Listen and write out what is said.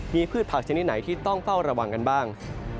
มีพืชผักชนิดไหนที่ต้องเฝ้าระวังกันบ้าง